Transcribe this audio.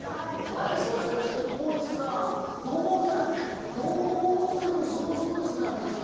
そして河内さん、道後温泉もすごそうですね、お客さん。